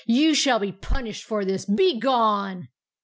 "You shall be punished for this. BEGONE!"